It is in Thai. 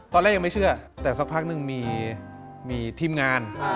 ตอนแรกยังไม่เชื่อแต่สักพักนึงมีทีมงาน